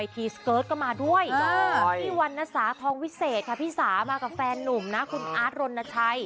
พี่อู๋สามากับแฟนหนุ่มนะคุณอาร์ดรณชัย